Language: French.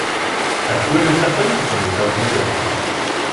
À clouer le cercueil ? Je n'ai pas besoin d'elles.